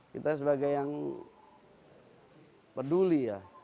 kita sebagai yang peduli ya